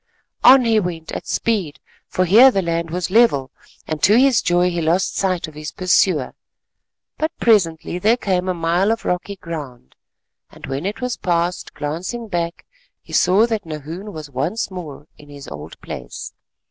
On he went at speed for here the land was level, and to his joy he lost sight of his pursuer. But presently there came a mile of rocky ground, and when it was past, glancing back he saw that Nahoon was once more in his old place.